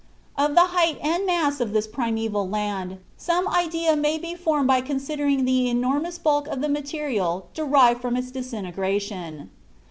Of the height and mass of this primeval land some idea may be formed by considering the enormous bulk of the material derived from its disintegration.